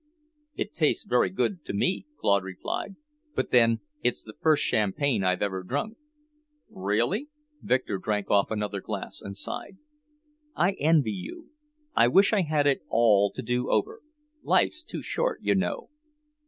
"It tastes very good to me," Claude replied. "But then, it's the first champagne I've ever drunk." "Really?" Victor drank off another glass and sighed. "I envy you. I wish I had it all to do over. Life's too short, you know."